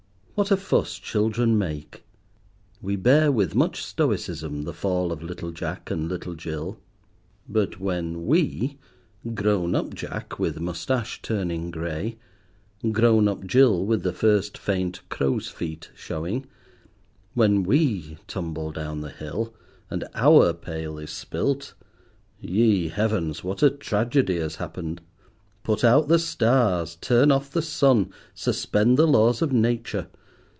What a fuss children make!" We bear with much stoicism the fall of little Jack and little Jill. But when we—grown up Jack with moustache turning grey; grown up Jill with the first faint "crow's feet" showing—when we tumble down the hill, and our pail is spilt. Ye Heavens! what a tragedy has happened. Put out the stars, turn off the sun, suspend the laws of nature.